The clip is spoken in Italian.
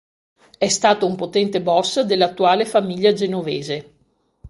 È stato un potente boss dell'attuale Famiglia Genovese.